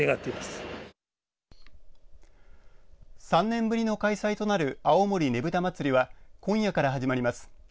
３年ぶりの開催となる青森ねぶた祭は今夜から始まります。